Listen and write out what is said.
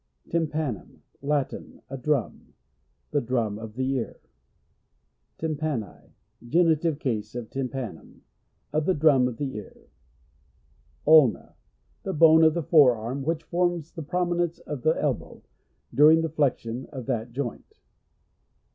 Tympanum. — Latin. A drum. The drum of the ear. Tympani. — (Genitive case of tympa num.) Of the drum of the ear. Ulna. — The bone of the forearm, which forms the prominence of the elbow, during the flexion of that joint.